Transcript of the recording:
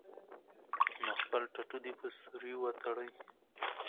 نو خپل ټټو دې پۀ سيوري وتړي -